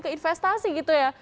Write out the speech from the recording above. ke investasi gitu ya